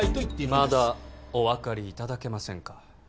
まだお分かりいただけませんか？